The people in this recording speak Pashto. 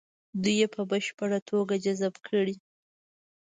دوی یې په بشپړه توګه جذب کړي.